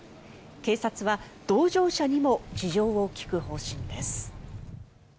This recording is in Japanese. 警察は同乗者にも事情を聴く方針です。